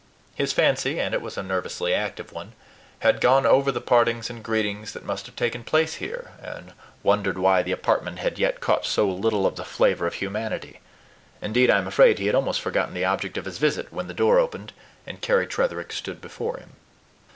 His fancy, and it was a nervously active one, had gone over the partings and greetings that must have taken place here, and wondered why the apartment had yet caught so little of the flavor of humanity; indeed, I am afraid he had almost forgotten the object of his visit when the door opened, and Carry Tretherick stood before him.